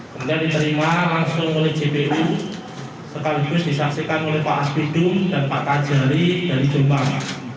kemudian diterima langsung oleh jpu sekaligus disaksikan oleh pak aspidum dan pak kajari dari jombang